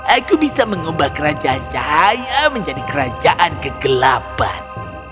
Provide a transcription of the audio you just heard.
aku bisa mengubah kerajaan cahaya menjadi kerajaan kegelapan